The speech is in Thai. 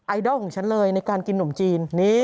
ดอลของฉันเลยในการกินหนมจีน